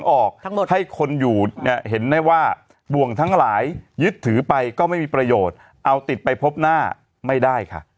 ขอบคุณคุณชื่ออะไรนะ